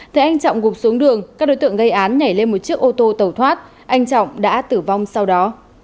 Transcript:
thì anh trọng gục xuống đường các đối tượng gây án nhảy lên một chiếc ô tô tàu thoát anh trọng đã tử vong sau đó